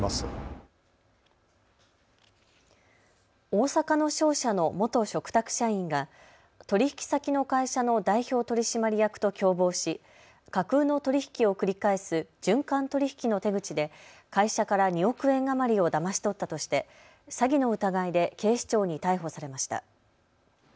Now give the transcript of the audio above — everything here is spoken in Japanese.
大阪の商社の元嘱託社員が取引先の会社の代表取締役と共謀し架空の取り引きを繰り返す循環取引の手口で会社から２億円余りをだまし取ったとして詐欺の疑いで警視庁に逮捕されました。